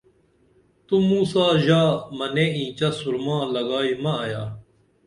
تو موں سا ژا منے اینچہ سُرما لگائی مہ ایا